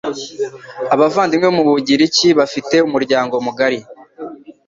Abavandimwe bo mu Bugiriki bafite umuryango mugari